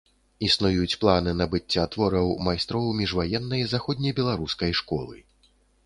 Існуюць планы набыцця твораў майстроў міжваеннай заходнебеларускай школы.